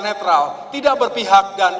netral tidak berpihak dan